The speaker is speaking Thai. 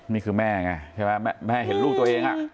นี่คือแม่ไงแม่เห็นลูกตัวเอง